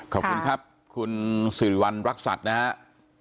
ขอบคุณครับคุณสิริวัณรักษัตริย์นะครับ